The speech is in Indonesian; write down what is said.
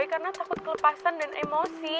karena takut kelepasan dan emosi